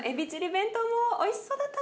弁当もおいしそうだったね。